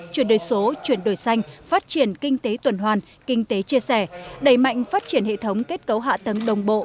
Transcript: chuyển đổi số chuyển đổi xanh phát triển kinh tế tuần hoàn kinh tế chia sẻ đẩy mạnh phát triển hệ thống kết cấu hạ tầng đồng bộ